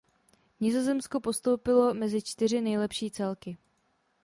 Nizozemsko postoupilo mezi čtyři nejlepší celky.